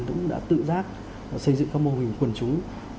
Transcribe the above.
cũng đã tự giác xây dựng các mô hình quần chúng